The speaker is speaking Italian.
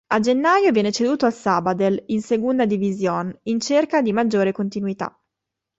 A gennaio viene ceduto al Sabadell, in Segunda División, in cerca di maggiore continuità.